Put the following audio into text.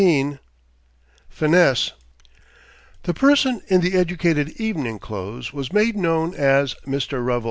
XVII FINESSE The person in the educated evening clothes was made known as Mr. Revel.